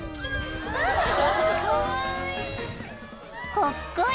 ［ほっこり］